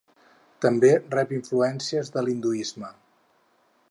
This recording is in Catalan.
També rep influències de l'hinduisme.